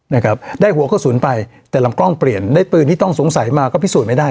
นะครับได้หัวกระสุนไปแต่ลำกล้องเปลี่ยนได้ปืนที่ต้องสงสัยมาก็พิสูจน์ไม่ได้